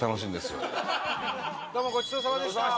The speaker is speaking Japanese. どうもごちそうさまでした。